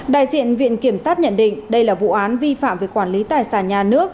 đại diện viện kiểm sát nhận định đây là vụ án vi phạm về quản lý tài sản nhà nước